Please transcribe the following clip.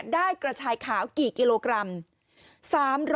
กระชายขาวกี่กิโลกรัม